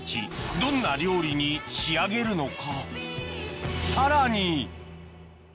どんな料理に仕上げるのか？